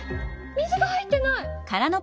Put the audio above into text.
水が入ってない！